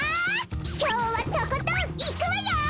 きょうはとことんいくわよ！